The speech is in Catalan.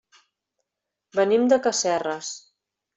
Venim de Casserres.